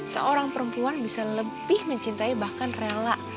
seorang perempuan bisa lebih mencintai bahkan rela